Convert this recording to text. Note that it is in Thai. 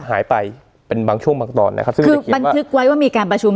หายไปเป็นบางช่วงบางตอนนะครับซึ่งคือบันทึกไว้ว่ามีการประชุม